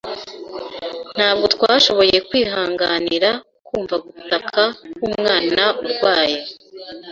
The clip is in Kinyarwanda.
Ntabwo twashoboye kwihanganira kumva gutaka kwumwana urwaye.